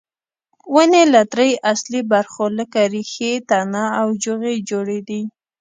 ونې له درې اصلي برخو لکه ریښې، تنه او جوغې جوړې دي.